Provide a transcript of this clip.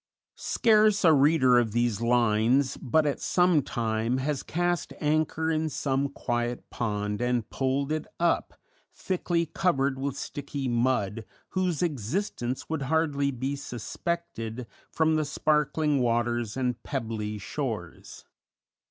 Scarce a reader of these lines but at some time has cast anchor in some quiet pond and pulled it up, thickly covered with sticky mud, whose existence would hardly be suspected from the sparkling waters and pebbly shores.